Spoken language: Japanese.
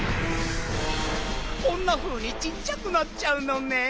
こんなふうにちっちゃくなっちゃうのねん。